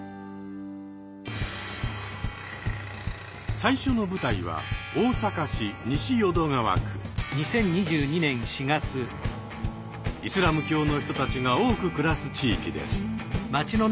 最初の舞台はイスラム教の人たちが多く暮らす地域です。